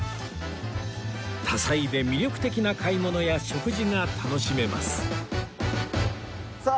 多彩で魅力的な買い物や食事が楽しめますさあ。